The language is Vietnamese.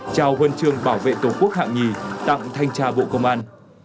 trao huân trường bảo vệ tổ quốc hạng nhì tặng thanh tra bộ công an